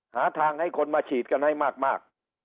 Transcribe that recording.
หาทางให้คนมาฉีดกันให้มาก